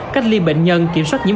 cách ly bệnh nhân kiểm soát nhiễm